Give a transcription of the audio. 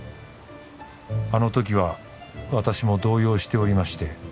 「あの時は私も動揺しておりまして」